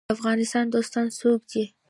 د افغانستان دوستان څوک دي؟